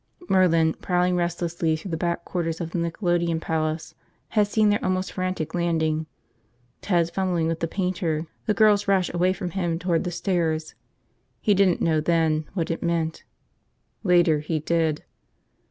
Merlin, prowling restlessly through the back quarters of the Nickelodeon Palace, had seen their almost frantic landing, Ted's fumbling with the painter, the girl's rush away from him toward the stairs. He didn't know, then, what it meant. Later, he did.